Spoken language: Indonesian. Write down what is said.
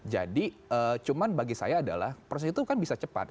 jadi cuma bagi saya adalah proses itu kan bisa cepat